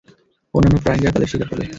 অন্যান্য প্রাণীরা তাদের শিকার করবে।